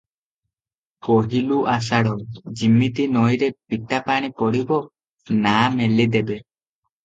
ପହିଲୁ ଆଷାଢ଼, ଯିମିତି ନଈରେ ପିତାପାଣି ପଡ଼ିବ, ନାଆ ମେଲି ଦେବେ ।